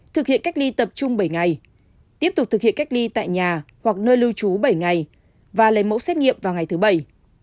thực hiện cách ly tập trung bảy ngày tiếp tục thực hiện cách ly tại nhà hoặc nơi lưu trú bảy ngày và lấy mẫu xét nghiệm vào ngày thứ bảy